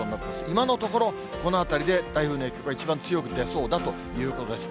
今のところ、このあたりで台風の影響が一番強く出そうだということです。